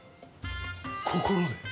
心で。